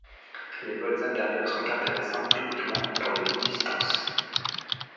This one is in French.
Les vols intérieurs sont intéressants uniquement pour les longues distances.